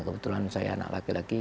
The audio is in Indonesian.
kebetulan saya anak laki laki